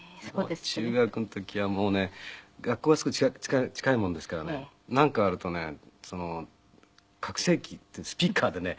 中学の時はもうね学校がすごい近いもんですからねなんかあるとね拡声機ってスピーカーでね